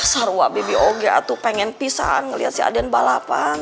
saruah bibi oga tuh pengen pisah ngeliat si aden balapan